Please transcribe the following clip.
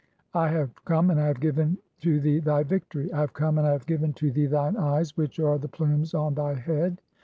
(43) "I have come, and I have given [to thee] thy victory. (44) "I have come, and I have given to thee thine eyes, "[which are] the plumes on thy head.